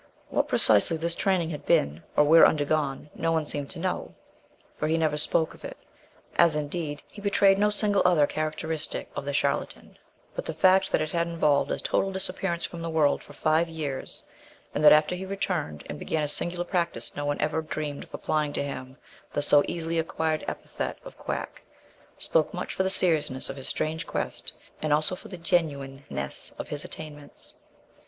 What precisely this training had been, or where undergone, no one seemed to know, for he never spoke of it, as, indeed, he betrayed no single other characteristic of the charlatan, but the fact that it had involved a total disappearance from the world for five years, and that after he returned and began his singular practice no one ever dreamed of applying to him the so easily acquired epithet of quack, spoke much for the seriousness of his strange quest and also for the genuineness of his attainments.